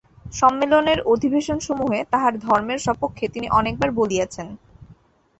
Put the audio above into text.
সম্মেলনের অধিবেশনসমূহে তাঁহার ধর্মের সপক্ষে তিনি অনেকবার বলিয়াছেন।